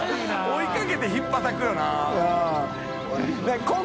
追いかけてひっぱたくよな。